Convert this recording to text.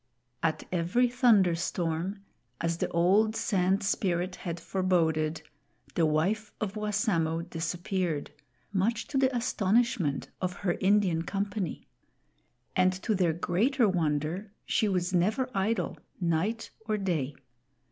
At every thunderstorm, as the old Sand Spirit had foreboded, the wife of Wassamo disappeared, much to the astonishment of her Indian company. And to their greater wonder she was never idle, night or day.